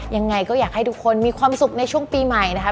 ยังไงก็อยากให้ทุกคนมีความสุขในช่วงปีใหม่นะคะ